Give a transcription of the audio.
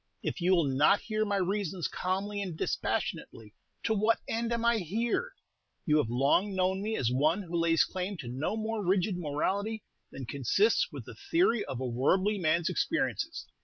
If you will not hear my reasons calmly and dispassionately, to what end am I here? You have long known me as one who lays claim to no more rigid morality than consists with the theory of a worldly man's experiences.